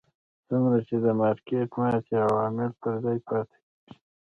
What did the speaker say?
څومره چې د مارکېټ ماتې عوامل پر ځای پاتې کېږي.